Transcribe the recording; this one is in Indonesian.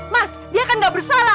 mas dia kan gak bersalah